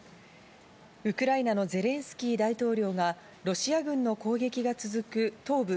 ウクライナのゼレンスキー大統領がロシア軍の攻撃が続く東部